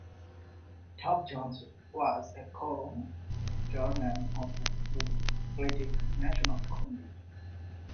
Tubbs Jones was a co-chairwoman of the Democratic National Committee.